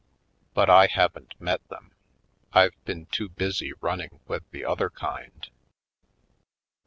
But I haven't met them; I've been too busy running with the other kind."